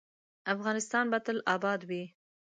افغانستان به تل اباد وي